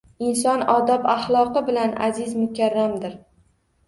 Inson odob-axloqi bilan aziz-mukarramdir.